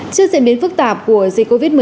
trước diễn biến phức tạp của dịch covid một mươi chín